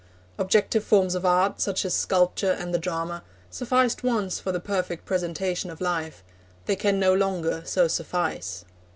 Objective forms of art, such as sculpture and the drama, sufficed one for the perfect presentation of life; they can no longer so suffice.